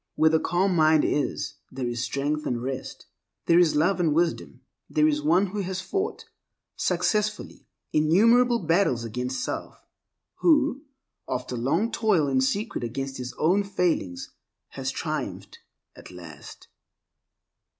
Where the calm mind is, there is strength and rest, there is love and wisdom. There is one who has fought successfully innumerable battles against self, who, after long toil in secret against his own failings, has triumphed at last.